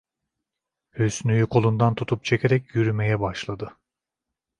Hüsnü'yü kolundan tutup çekerek yürümeye başladı.